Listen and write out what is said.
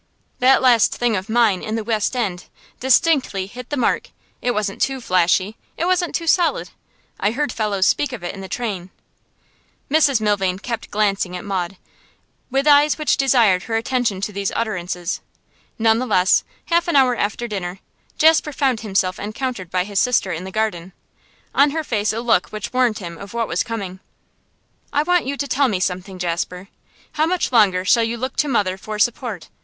That last thing of mine in The West End distinctly hit the mark; it wasn't too flashy, it wasn't too solid. I heard fellows speak of it in the train.' Mrs Milvain kept glancing at Maud, with eyes which desired her attention to these utterances. None the less, half an hour after dinner, Jasper found himself encountered by his sister in the garden, on her face a look which warned him of what was coming. 'I want you to tell me something, Jasper. How much longer shall you look to mother for support?